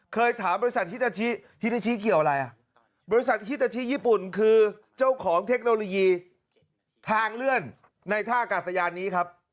เคยถามบริษัทฮิตาชิฮิตาชิเกี่ยวอะไรอ่ะบริษัทฮิตาชิญี่ปุ่นคือเจ้าของเทคโนโลยีทางเลื่อนในท่ากาศยานนี้ครับ